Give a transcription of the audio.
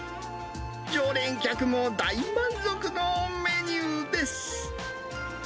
常連客も大満足のメニューです。